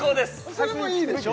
それもいいでしょ？